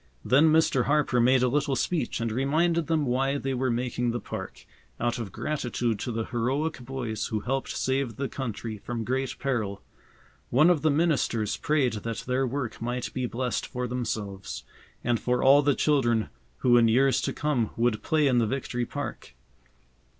Then Mr. Harper made a little speech and reminded them why they were making the park, out of gratitude to the heroic boys who helped save the country from great peril. One of the ministers prayed that their work might be blessed for themselves, and for all the children who in years to come would play in the Victory Park.